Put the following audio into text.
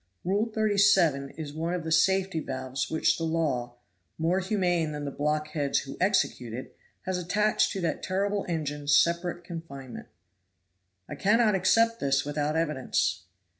Rule 37 is one of the safety valves which the law, more humane than the blockheads who execute it, has attached to that terrible engine separate confinement." "I cannot accept this without evidence."